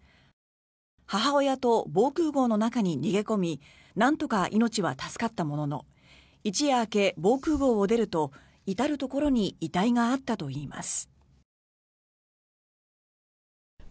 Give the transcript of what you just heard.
母親と防空壕の中に逃げ込みなんとか命は助かったものの一夜明け、防空壕を出ると至るところに遺体があったといいます。